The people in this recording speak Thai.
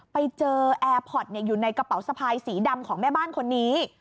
ไปเจอแอร์พอร์ตอยู่ในกระเป๋าสะพายสีดำของแม่บ้านคนนี้